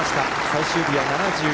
最終日は７１。